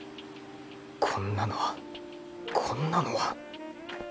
こんなのはこんなのは